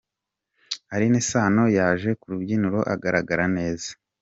Alyn Sano yaje ku rubyiniro agaragara neza.